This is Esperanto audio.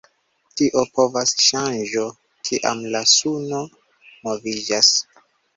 Tio povas ŝanĝo kiam la suno moviĝas.